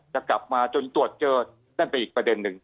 จะกลับมาจนตรวจเจอนั่นเป็นอีกประเด็นหนึ่ง